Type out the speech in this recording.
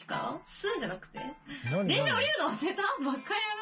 吸うんじゃなくて？